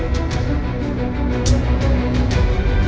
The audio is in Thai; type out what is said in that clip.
ขอบคุณค่ะ